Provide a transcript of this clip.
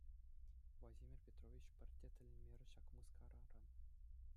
Владимир Петрович пӗртте тӗлӗнмерӗ ҫак мыскараран.